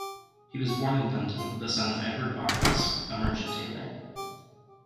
He was born in London, the son of Edward Barnes, a merchant taylor.